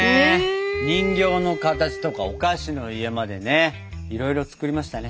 人形の形とかお菓子の家までねいろいろ作りましたね。